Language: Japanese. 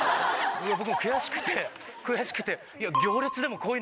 僕も悔しくて悔しくて。